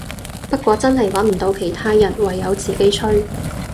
不過真係穩唔到其他人，唯有自己吹